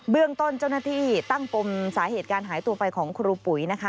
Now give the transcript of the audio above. เรื่องต้นเจ้าหน้าที่ตั้งปมสาเหตุการหายตัวไปของครูปุ๋ยนะคะ